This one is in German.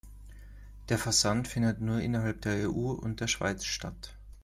Der Versand findet nur innerhalb der EU und der Schweiz statt.